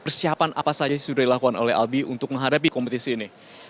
persiapan apa saja yang sudah dilakukan oleh albi untuk menghadapi kompetisi ini